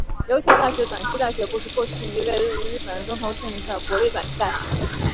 琉球大学短期大学部是过去一所位于日本冲绳县中头郡西原町的国立短期大学。